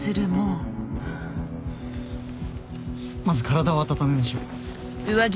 まず体を温めましょう。